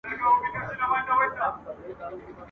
خو زه مړ یم د ژوندیو برخه خورمه !.